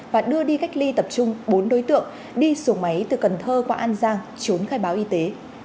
và đưa đi cách ly tập trung bốn đối tượng đi xuồng máy từ cần thơ qua an giang trốn khai báo y tế